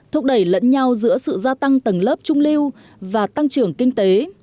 thúc đẩy lẫn nhau giữa sự gia tăng tầng lớp trung lưu và tăng trưởng kinh tế